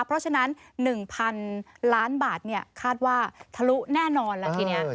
เพราะฉะนั้น๑๐๐๐ล้านบาทคาดว่าทะลุแน่นอนแล้วทีนี้